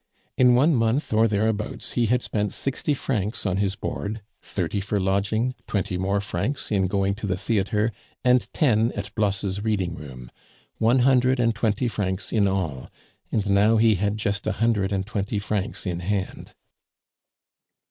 In one month or thereabouts he had spent sixty francs on his board, thirty for lodging, twenty more francs in going to the theatre, and ten at Blosse's reading room one hundred and twenty francs in all, and now he had just a hundred and twenty francs in hand.